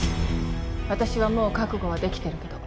私はもう覚悟はできてるけど。